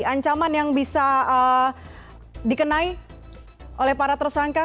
ancaman yang bisa dikenai oleh para tersangka